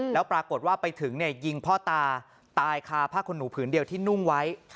แล้วปรากฏว่าไปถึงยิงพ่อตาตายคาผ้าขนหนูผืนเดียวที่นุ่งไว้